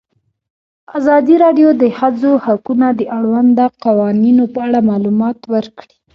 ازادي راډیو د د ښځو حقونه د اړونده قوانینو په اړه معلومات ورکړي.